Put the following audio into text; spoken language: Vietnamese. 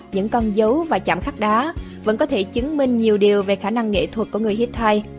những con dấu và chạm khắc đá vẫn có thể chứng minh nhiều điều về khả năng nghệ thuật của người hittite